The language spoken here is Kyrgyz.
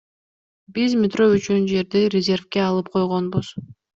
Биз метро үчүн жерди резервге алып койгонбуз.